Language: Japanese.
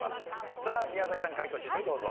さあ宮崎さん解答シートへどうぞ。